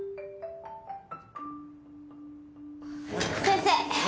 先生